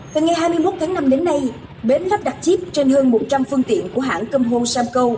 từ ngày hai mươi một tháng năm đến nay bến lắp đặt chip trên hơn một trăm linh phương tiện của hãng công hôn samco